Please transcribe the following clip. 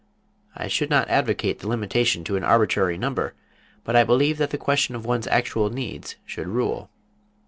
I should not advocate the limitation to an arbitrary number, but I believe that the question of one's actual needs should rule.